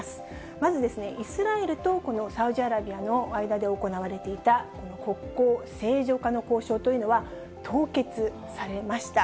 まず、イスラエルとこのサウジアラビアとの間で行われていた、この国交正常化の交渉というのは、凍結されました。